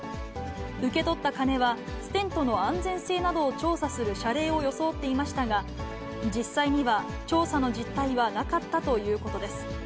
受け取った金は、ステントの安全性などを調査する謝礼を装っていましたが、実際には調査の実態はなかったということです。